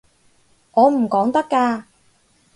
我唔講得㗎